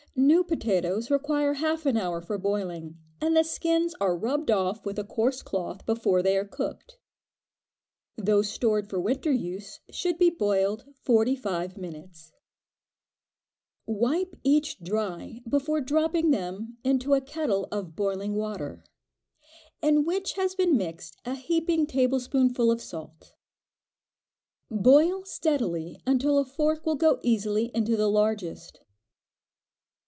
New potatoes require half an hour for boiling, and the skins are rubbed off with a coarse cloth before they are cooked. Those stored for winter use should be boiled forty five minutes. Wipe each dry before dropping them into a kettle of boiling water, in which has been mixed a heaping tablespoonful of salt. Boil steadily until a fork will go easily into the largest.